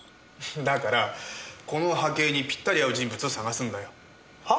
だからこの波形にぴったり合う人物を探すんだよ。は？